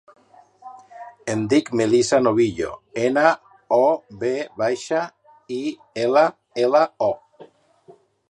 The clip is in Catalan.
Em dic Melissa Novillo: ena, o, ve baixa, i, ela, ela, o.